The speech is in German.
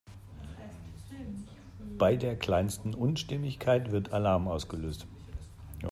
Bei der kleinsten Unstimmigkeit wird Alarm ausgelöst.